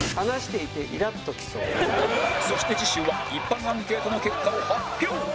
そして次週は一般アンケートの結果を発表